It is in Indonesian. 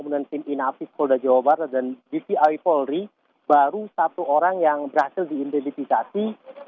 kemudian tim inavis polda jawa barat dan bpi polri baru satu orang yang berhasil diidentifikasi